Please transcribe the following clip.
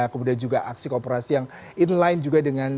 kemudian juga aksi korporasi yang in line juga dengan